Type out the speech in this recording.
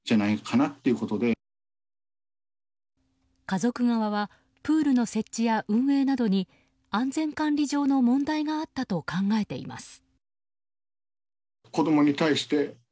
家族側はプールの設置や運営などに安全管理上の問題があったと考えています。